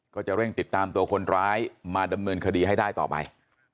ก็จะเร่งติดตามตัวคนร้ายมาดำเนินคดีให้ได้ต่อไป